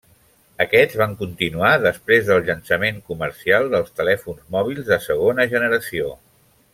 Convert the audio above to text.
Aquests van continuar després del llançament comercial dels telèfons mòbils de segona generació.